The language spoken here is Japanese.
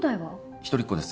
一人っ子です。